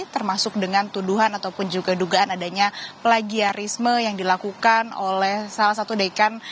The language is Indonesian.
termasuk dengan tuduhan ataupun juga dugaan adanya plagiarisme yang dilakukan oleh salah satu dekan